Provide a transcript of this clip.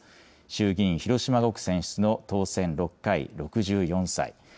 衆議院広島５区選出の当選６回、６４歳。